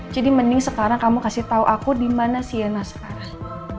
jadi mending sekarang kamu kasih tau aku dimana sienna sekarang